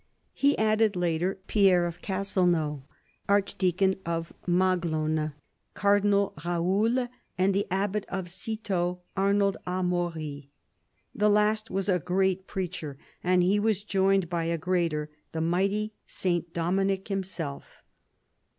He added later Pierre of Castelnau, archdeacon of Maguelonne, Cardinal Raoul and the abbat of Citeaux, Arnauld Amaury. The last was a great preacher, and he was joined by a greater, the mighty S. Dominic himself.